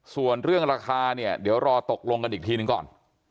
ส่วนเรื่องราคาเนี่ยเดี๋ยวรอตกลงกันอีกทีหนึ่งก่อน